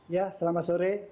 ya selamat sore